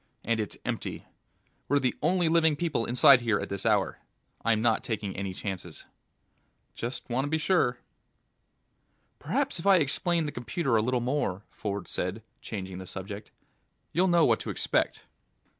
And it's empty. We're the only living people inside here at this hour. I'm not taking any chances." "Just want to be sure." "Perhaps if I explain the computer a little more," Ford said, changing the subject, "you'll know what to expect."